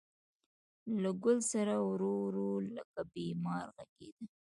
له ګل ســـــــره ورو، ورو لکه بیمار غـــــــږېده